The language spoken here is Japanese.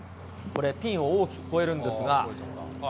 これ、ピンを大きく超えるんですが。